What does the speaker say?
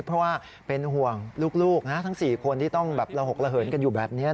เพราะว่าเป็นห่วงลูกนะทั้ง๔คนที่ต้องระหกระเหินกันอยู่แบบนี้